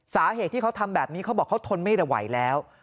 สาเหตุที่เขาทำแบบนี้เขาบอกเขาทนไม่ได้ไหวแล้ว